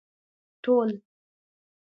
ټول